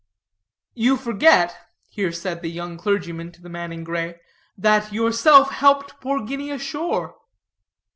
"You forget," here said the young clergyman to the man in gray, "that yourself helped poor Guinea ashore."